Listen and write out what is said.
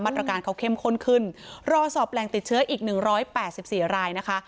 ตรการเขาเข้มข้นขึ้นรอสอบแหล่งติดเชื้ออีก๑๘๔รายนะคะ